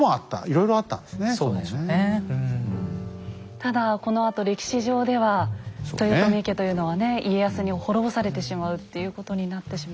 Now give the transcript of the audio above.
ただこのあと歴史上では豊臣家というのはね家康に滅ぼされてしまうっていうことになってしまいますよね。